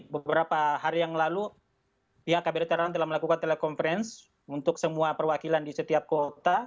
beberapa hari yang lalu pihak kbri taranang telah melakukan telekonferensi untuk semua perwakilan di setiap kota